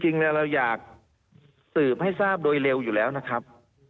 จริงเราอยากสืบให้ทราบโดยเร็วอยู่แล้วนะครับ